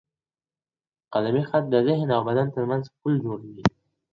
قلمي خط د ذهن او بدن ترمنځ پول جوړوي.